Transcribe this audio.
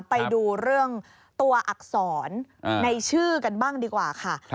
ไปดูเรื่องตัวอักษรในชื่อกันบ้างดีกว่าค่ะ